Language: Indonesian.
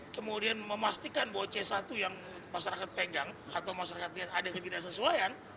kemudian memastikan bahwa c satu yang masyarakat pegang atau masyarakat yang ada ketidaksesuaian